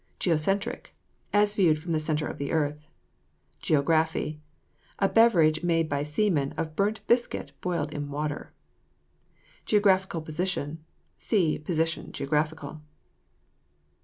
GEOCENTRIC. As viewed from the centre of the earth. GEO GRAFFY. A beverage made by seamen of burnt biscuit boiled in water. GEOGRAPHICAL POSITION. See POSITION, GEOGRAPHICAL.